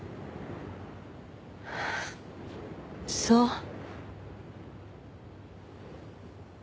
そう。